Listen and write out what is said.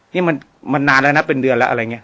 นี่มันนานแล้วนะเป็นเดือนแล้วอะไรอย่างนี้